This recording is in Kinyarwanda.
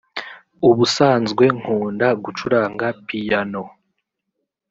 ubusanzwe nkunda gucuranga piyano